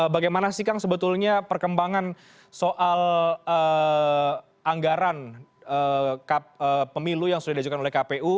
bagaimana sih kang sebetulnya perkembangan soal anggaran pemilu yang sudah diajukan oleh kpu